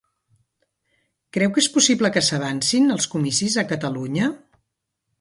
Creu que és possible que s'avancin els comicis a Catalunya?